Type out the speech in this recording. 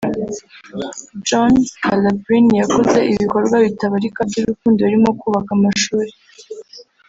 John Scalabrini yakoze ibikorwa bitabarika by’urukundo birimo kubaka amashuri